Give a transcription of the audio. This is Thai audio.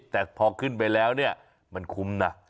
แต่พอขึ้นไปแล้วเนี่ยมันคุ้มนะ